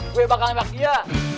gue yang bakal nebak dia